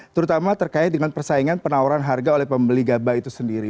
terutama terkait dengan persaingan penawaran harga oleh pembeli gabah itu sendiri